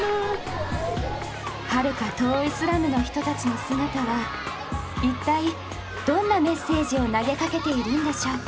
はるか遠いスラムの人たちの姿は一体どんなメッセージを投げかけているんでしょうか。